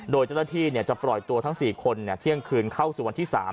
โดยเจ้าหน้าที่จะปล่อยตัวทั้ง๔คนเที่ยงคืนเข้าสู่วันที่๓